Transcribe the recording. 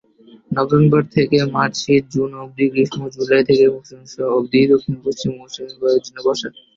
November থেকে মার্চ শীত, জুন অবধি গ্রীষ্ম, জুলাই থেকে মধ্য সেপ্টেম্বর অবধি দক্ষিণ পশ্চিম মৌসুমি বায়ুর জন্য বর্ষা।